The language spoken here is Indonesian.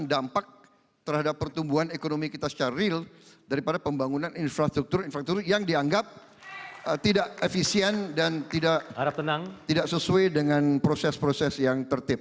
dampak terhadap pertumbuhan ekonomi kita secara real daripada pembangunan infrastruktur infrastruktur yang dianggap tidak efisien dan tidak sesuai dengan proses proses yang tertib